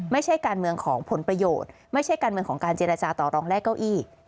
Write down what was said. ไม่ใช่การเมืองของผลประโยชน์ไม่ใช่การเมืองของการเจรจาต่อรองแลกเก้าอี้